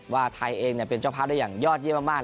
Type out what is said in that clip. ว่าไทยเองเป็นเจ้าภาพได้อย่างยอดเยี่ยมมาก